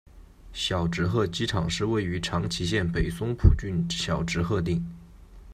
小值贺机场是位于长崎县北松浦郡小值贺町。